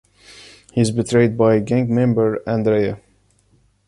He is betrayed by gang member Andrea.